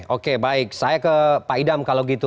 oke baik saya ke pak idam kalau gitu